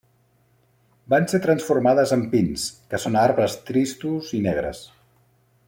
Van ser transformades en pins, que són arbres tristos i negres.